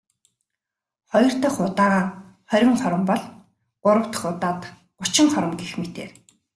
Хоёр дахь удаагаа хорин хором бол.. Гурав дахь удаад гучин хором гэх мэтээр.